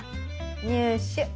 「入手」。